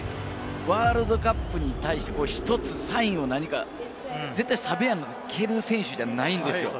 ワールドカップに対して１つサインを何か、絶対サヴェアがきる選手じゃないんですよ。